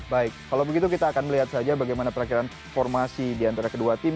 baik kalau begitu kita akan melihat saja bagaimana perakhiran formasi di antara kedua tim